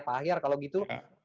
pak hayar kalau gitu